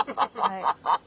ハハハハハ。